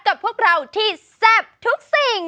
กับพวกเราที่แซ่บทุกสิ่ง